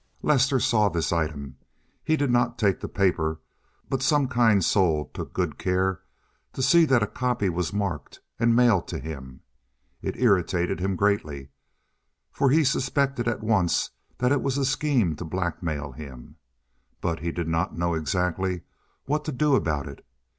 Lester saw this item. He did not take the paper, but some kind soul took good care to see that a copy was marked and mailed to him. It irritated him greatly, for he suspected at once that it was a scheme to blackmail him. But he did not know exactly what to do about it.